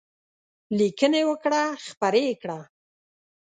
لیکنې وکړه خپرې یې کړه.